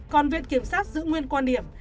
còn viện kiểm sát giữ nguyên quan điểm